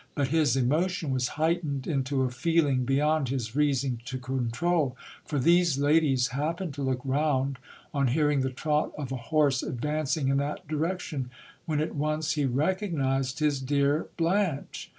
But his emotion was heightened into a feeling beyond his reason to control, for these ladies happened to look round on hearing the trot of a horse advancing in that di rection ; when at once he recognized his dear Blanche.